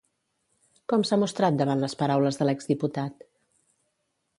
Com s'ha mostrat davant les paraules de l'exdiputat?